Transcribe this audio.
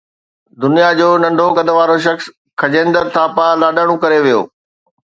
دنيا جو ننڍو قد وارو شخص کجيندر ٿاپا لاڏاڻو ڪري ويو